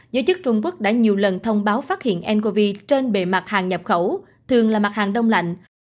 giới chức trung quốc đã nhiều lần thông báo phát hiện ncov trên bề mặt hàng nhập khẩu thường là mặt hàng đông lạnh